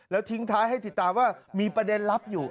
แล้วทิ้งท้ายให้ติดตามว่ามีประเด็นลับอยู่